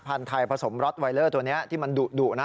ไทยผสมร็อตไวเลอร์ตัวนี้ที่มันดุนะ